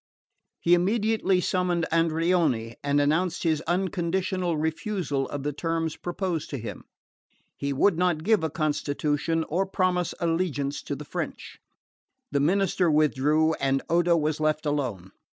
He immediately summoned Andreoni and announced his unconditional refusal of the terms proposed to him. He would not give a constitution or promise allegiance to the French. The minister withdrew, and Odo was left alone.